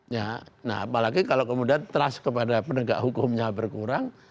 nah apalagi kalau kemudian trust kepada penegak hukumnya berkurang